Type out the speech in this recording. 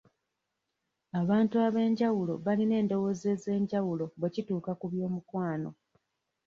Abantu ab'enjawulo balina endowooza ez'enjawulo bwe kituuka ku by'omukwano.